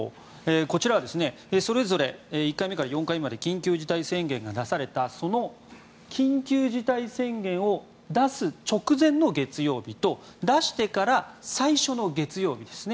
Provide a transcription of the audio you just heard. こちらはそれぞれ１回目から４回目まで緊急事態宣言が出されたその緊急事態宣言を出す直前の月曜日と出してから最初の月曜日ですね。